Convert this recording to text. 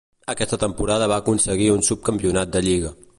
Aquesta temporada va aconseguir un subcampionat de lliga.